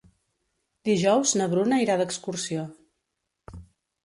Dijous na Bruna irà d'excursió.